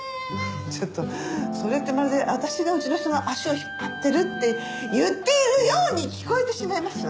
ちょっとそれってまるで私がうちの人の足を引っ張ってるって言っているように聞こえてしまいますわ。